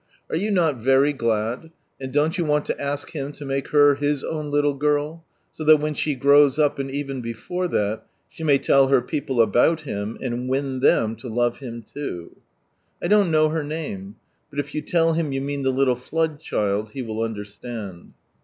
Are you not very glad, and don't you want to ask Him to make her His own little girl, so that when she grows up, and even before that, •he may tell her people about Him, and win thetu to love Him loo? I don't know her name, but if you tell Him you mean the little dood child. He will unileriund.